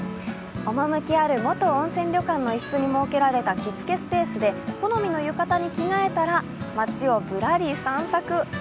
趣ある元温泉旅館の一室に設けられた着付けスペースで好みの浴衣に着替えたら街をぶらり散策。